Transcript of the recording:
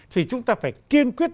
thì chúng ta phải kiên quyết